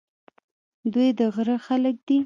دوی د غره خلک دي.